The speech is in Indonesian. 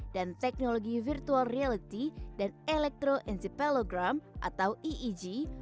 dan teknologi virtual reality dan electro antipelogram atau eeg